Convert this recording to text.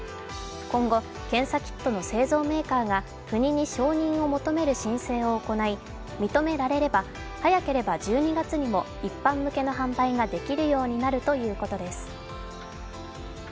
今後検査キットの製造メーカーが国に承認を求める申請を行い、認められれば早ければ１２月には一般向けの販売ができるようになるということです。